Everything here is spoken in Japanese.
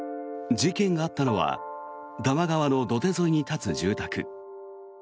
事件があったのは多摩川の土手沿いに立つ住宅。